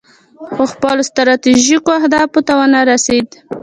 خو خپلو ستراتیژیکو اهدافو ته ونه رسید.